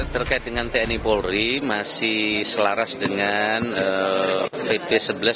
terkait dengan tni polri masih selaras dengan pp sebelas dua ribu